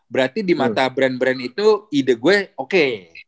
berarti di mata brand brand itu ide gue oke